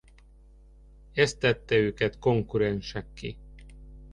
Ez tette őket konkurensekké.